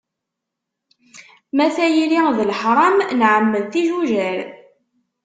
Ma tayri d leḥram nɛemmed tijujar.